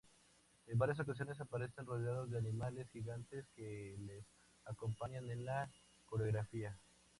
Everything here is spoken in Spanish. En varias ocasiones aparecen rodeados de animales gigantes que les acompañan en la "coreografía".